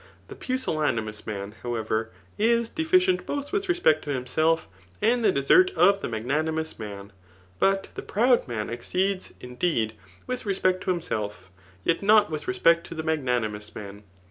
The pusillanimous man, however, is de. fident both with respect to himself, and the desert of the ms^aimnous man. But t|ie proud man exceeds, in deed, with respect to himself, yet not with req>ecr to the magnanimoos man.